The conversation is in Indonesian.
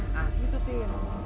nah gitu tim